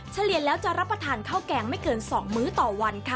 เฉลี่ยแล้วจะรับประทานข้าวแกงไม่เกิน๒มื้อต่อวันค่ะ